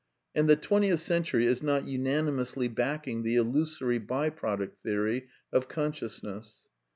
And the twentieth century is not unanimously backing the illusory by product theory of consciousness.